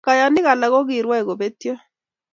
Kayanik alak kokirwai kobetio